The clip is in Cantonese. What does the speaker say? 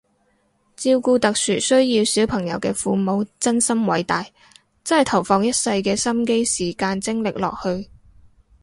照顧特殊需要小朋友嘅父母真心偉大，真係投放一世嘅心機時間精力落去